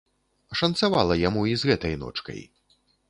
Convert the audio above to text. Шанцавала яму і з гэтай ночкай.